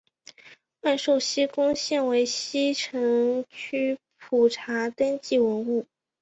万寿西宫现为西城区普查登记文物。